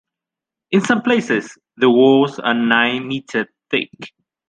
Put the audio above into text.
In some places, the walls are nine meters thick.